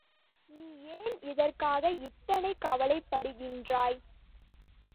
நீ ஏன் இதற்காக இத்தனை கவலைப்படுகின்றாய்?